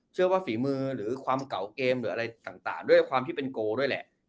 ฝีมือหรือความเก่าเกมหรืออะไรต่างด้วยความที่เป็นโกด้วยแหละ